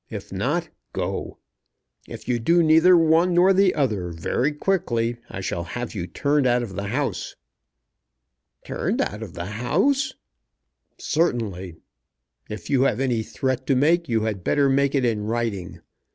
If not, go. If you do neither one nor the other very quickly, I shall have you turned out of the house." "Turned out of the house?" "Certainly. If you have any threat to make, you had better make it in writing.